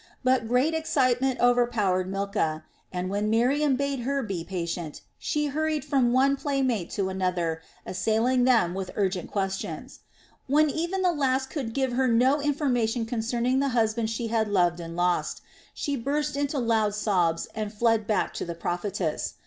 But great excitement overpowered Milcah and, when Miriam bade her be patient, she hurried from one playmate to another assailing them with urgent questions. When even the last could give her no information concerning the husband she had loved and lost, she burst into loud sobs and fled back to the prophetess.